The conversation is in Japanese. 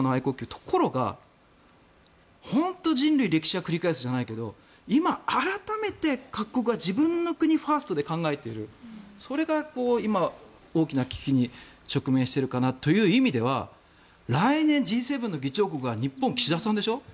ところが、本当に人類は歴史を繰り返すじゃないけど今、改めて各国が自分の国ファーストで考えているそれが今、大きな危機に直面してるかなという意味では来年、Ｇ７の議長国は日本、岸田さんでしょ。